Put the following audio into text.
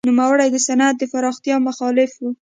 نوموړی د صنعت د پراختیا مخالف و.